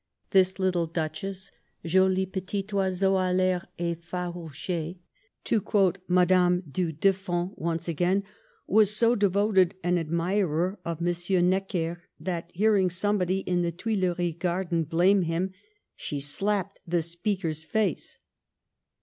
This little Duchess, "joli petit oiseau d Vair effarouche*" (to quote Madame du Deffand once again), was so devoted an admirer of M. Necker, that, hearing somebody in the Tuileries Gar dens blame him, she slapped the speaker's face.